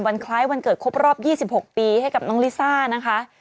คล้ายวันเกิดครบรอบ๒๖ปีให้กับน้องลิซ่านะคะ